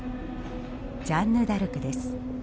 ジャンヌ・ダルクです。